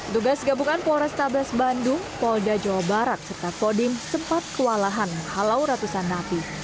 tugas gabungan polrestabes bandung polda jawa barat serta kodim sempat kewalahan menghalau ratusan napi